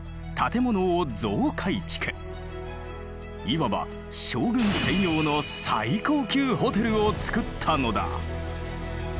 いわば将軍専用の最高級ホテルを造ったのだ。